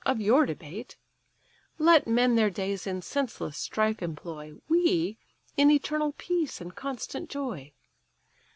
of your debate: Let men their days in senseless strife employ, We, in eternal peace and constant joy.